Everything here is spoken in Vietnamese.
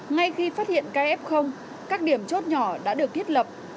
ngay khi phát hiện kf các điểm chốt nhỏ đã được thiết lập